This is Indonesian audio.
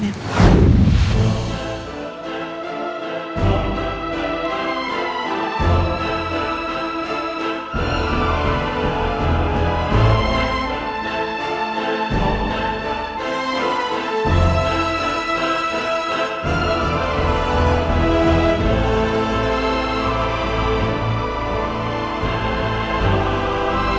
terima kasih udah menjemputnya